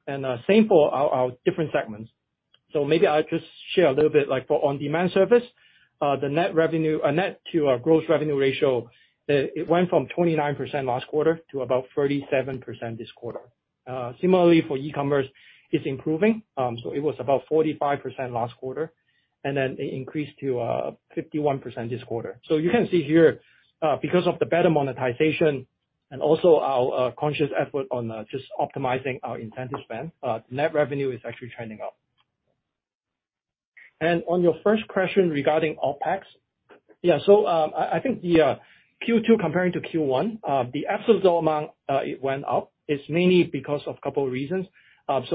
Same for our different segments. Maybe I'll just share a little bit, like for on-demand service, the net to our gross revenue ratio, it went from 29% last quarter to about 37% this quarter. Similarly for e-commerce, it's improving. It was about 45% last quarter, and then it increased to 51% this quarter. You can see here, because of the better monetization and also our conscious effort on just optimizing our incentive spend, net revenue is actually trending up. On your first question regarding OpEx, I think the Q2 comparing to Q1, the absolute amount it went up. It's mainly because of a couple of reasons.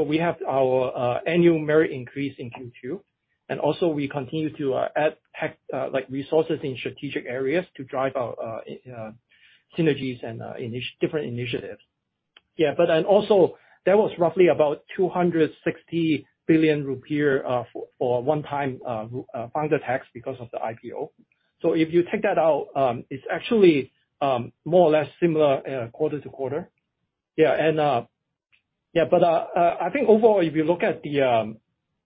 We have our annual merit increase in Q2, and also we continue to add tech resources in strategic areas to drive our synergies and different initiatives. But then also there was roughly 260 billion rupiah for one-time founder tax because of the IPO. If you take that out, it's actually more or less similar quarter to quarter. I think overall, if you look at the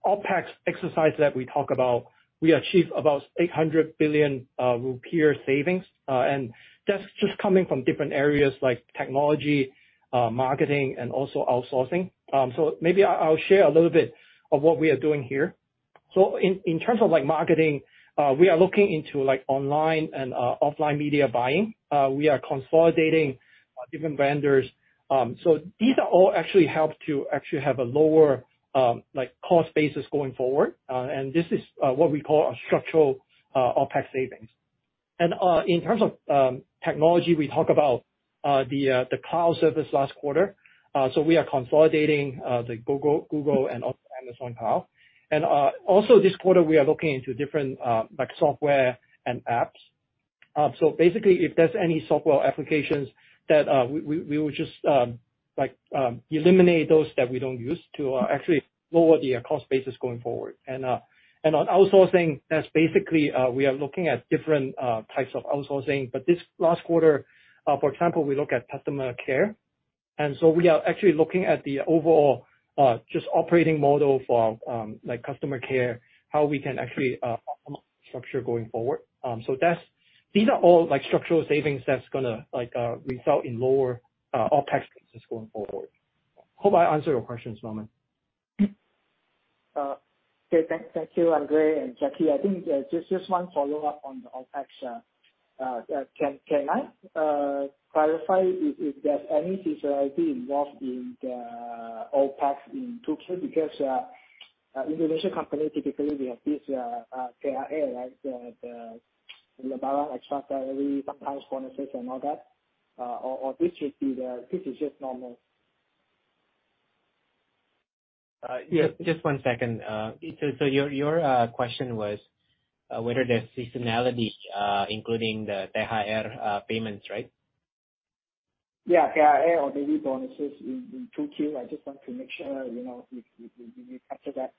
OpEx exercise that we talk about, we achieve about 800 billion rupiah savings. That's just coming from different areas like technology, marketing, and also outsourcing. Maybe I'll share a little bit of what we are doing here. In terms of, like, marketing, we are looking into, like, online and offline media buying. We are consolidating different vendors. These are all actually help to actually have a lower, like, cost basis going forward. This is what we call a structural OpEx savings. In terms of technology, we talk about the cloud service last quarter. We are consolidating the Google Cloud and also Amazon Web Services. also this quarter, we are looking into different, like, software and apps. basically if there's any software applications that we will just, like, eliminate those that we don't use to actually lower the cost basis going forward. and on outsourcing, that's basically we are looking at different types of outsourcing. this last quarter, for example, we look at customer care. we are actually looking at the overall, just operating model for, like customer care, how we can actually optimize structure going forward. that's. These are all, like, structural savings that's gonna, like, result in lower OpEx costs going forward. Hope I answered your questions, Norman. Okay. Thank you, Andre and Jacky. I think just one follow-up on the OpEx. Can I clarify if there's any seasonality involved in the OpEx in 2Q? Because Indonesian company, typically we have this THR, right? The Lebaran extra salary, sometimes bonuses and all that. Or this is just normal. Yeah. Just one second. Your question was whether there's seasonality, including the THR payments, right? Yeah, THR or the bonuses in 2Q. I just want to make sure, you know, if you capture that.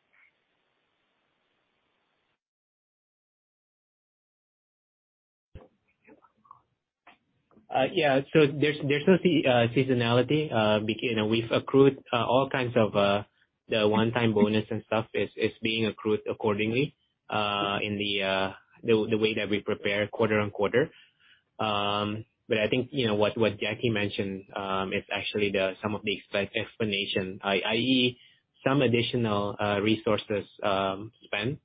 Yeah. There's no seasonality, you know, we've accrued all kinds of the one-time bonus and stuff is being accrued accordingly in the way that we prepare quarter on quarter. I think, you know, what Jacky mentioned is actually some of the explanation, i.e., some additional resources spent,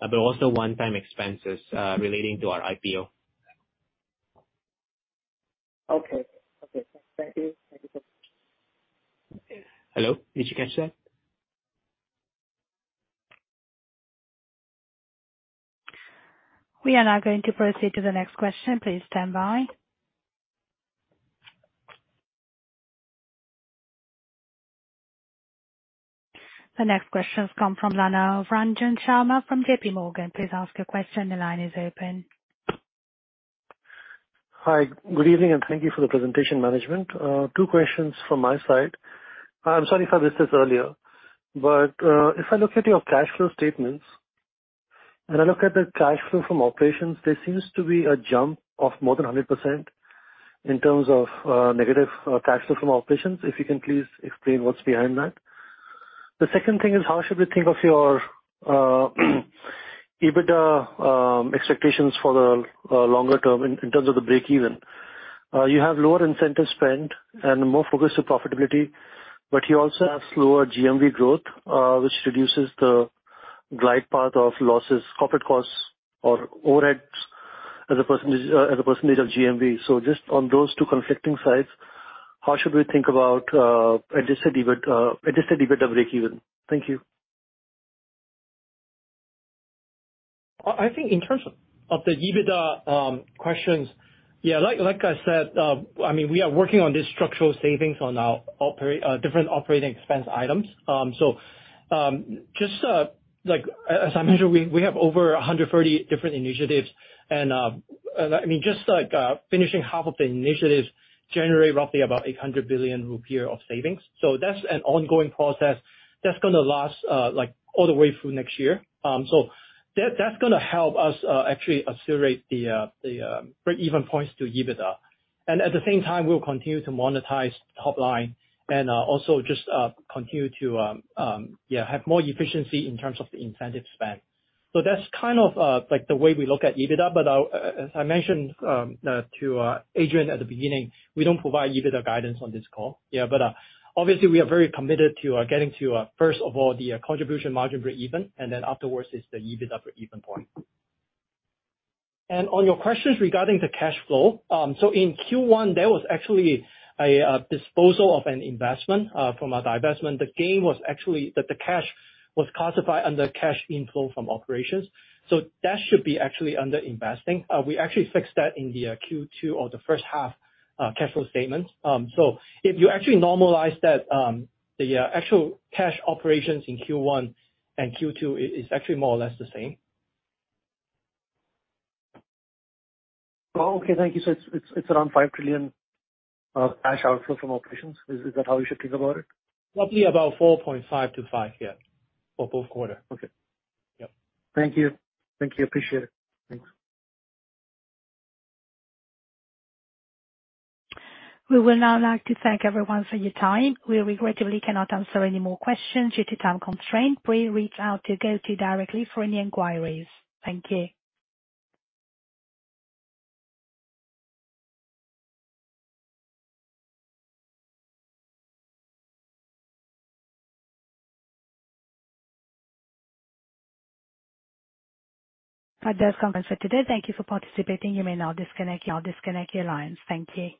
but also one-time expenses relating to our IPO. Okay. Thank you so much. Hello? Did you catch that? We are now going to proceed to the next question. Please stand by. The next question comes from Ranjan Sharma from J.P. Morgan. Please ask your question. The line is open. Hi. Good evening, and thank you for the presentation, management. Two questions from my side. I'm sorry if I missed this earlier, but if I look at your cash flow statements, and I look at the cash flow from operations, there seems to be a jump of more than 100% in terms of negative cash flow from operations. If you can please explain what's behind that. The second thing is, how should we think of your EBITDA expectations for the longer term in terms of the breakeven? You have lower incentive spend and more focus on profitability, but you also have slower GMV growth, which reduces the glide path of losses, profit costs or overheads as a percentage of GMV. Just on those two conflicting sides, how should we think about adjusted EBITDA breakeven? Thank you. I think in terms of the EBITDA questions, like I said, I mean, we are working on these structural savings on our different operating expense items. Just like as I mentioned, we have over 130 different initiatives and I mean, just like finishing half of the initiatives generate roughly about 800 billion rupiah of savings. That's an ongoing process that's gonna last all the way through next year. That's gonna help us actually accelerate the breakeven points to EBITDA. At the same time, we'll continue to monetize top line and also just continue to have more efficiency in terms of the incentive spend. That's kind of like the way we look at EBITDA. As I mentioned to Adrian at the beginning, we don't provide EBITDA guidance on this call. Yeah, obviously we are very committed to getting to first of all, the contribution margin breakeven, and then afterwards it's the EBITDA breakeven point. On your questions regarding the cash flow. In Q1, there was actually a disposal of an investment from a divestment. The gain was actually that the cash was classified under cash inflow from operations, so that should be actually under investing. We actually fixed that in the Q2 or the first half cash flow statement. If you actually normalize that, the actual cash operations in Q1 and Q2 is actually more or less the same. Oh, okay. Thank you. It's around 5 trillion cash outflow from operations. Is that how we should think about it? Roughly about 4.5-5, yeah, for both quarters. Okay. Yep. Thank you. Appreciate it. Thanks. We would now like to thank everyone for your time. We regrettably cannot answer any more questions due to time constraint. Please reach out to GoTo directly for any inquiries. Thank you. That concludes the conference for today. Thank you for participating. You may now disconnect your lines. Thank you.